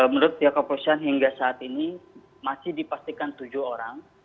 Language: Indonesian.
menurut pihak kepolisian hingga saat ini masih dipastikan tujuh orang